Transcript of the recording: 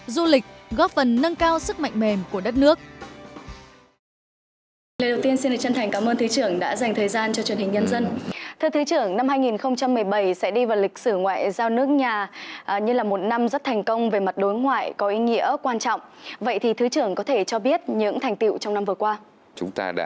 du lịch góp phần nâng cao sức mạnh mềm của đất nước